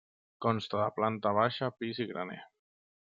Consta de planta baixa, pis i graner.